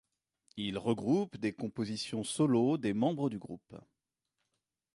Il regroupe des compositions solos des membres du groupe.